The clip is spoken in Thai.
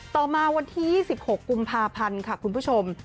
ต่อมาวันที่๒๖กุมภาพันธ์ค่ะคุณผู้ชม